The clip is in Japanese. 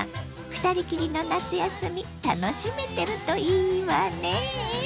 ２人きりの夏休み楽しめてるといいわね。